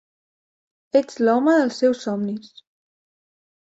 Ets l'home dels seus somnis.